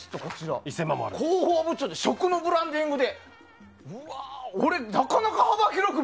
広報部長で食のブランディング。